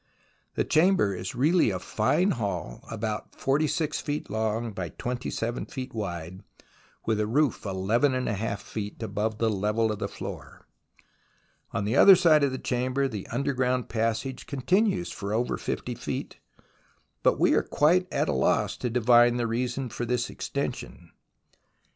The chamber is really a fine hall about 46 feet long by 64 THE ROMANCE OF EXCAVATION 27 feet wide, with a roof ii | feet above ttie level of the floor. On the other side of the chamber the underground passage continues for over 50 feet, but we are quite at a loss to divine the reason for this extension.